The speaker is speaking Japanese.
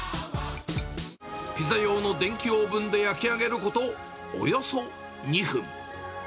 ピザ用の電気オーブンで焼き上げること、およそ２分。